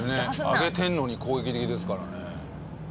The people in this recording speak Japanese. あげてるのに攻撃的ですからね。